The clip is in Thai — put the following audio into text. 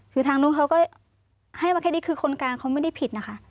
คือทางนู้นเขาก็ให้มาแค่นี้คือคนกลางเขาไม่ได้ผิดนะคะ